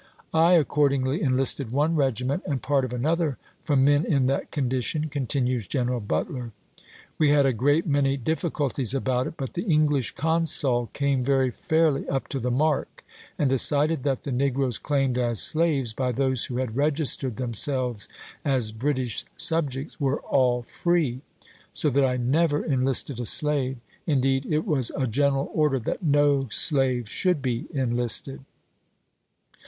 "I accordingly enlisted one regiment and part of another from men in that condition," con tinues General Butler. "We had a great many difficulties about it. But the English consul came very fairly up to the mark, and decided that the negroes claimed as slaves by those who had registered themselves as British subjects were Te^^mlfiy, all free. So that I never enlisted a slave. In conStee deed, it was a general order that no slave should of the^war! be enlisted."